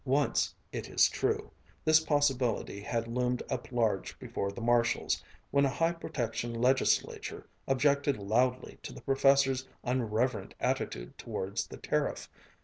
Once, it is true, this possibility had loomed up large before the Marshalls, when a high protection legislature objected loudly to the professor's unreverent attitude towards the tariff.